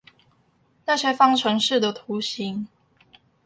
那些方程式的圖形